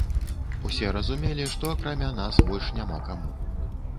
Усе разумелі, што акрамя нас больш няма каму.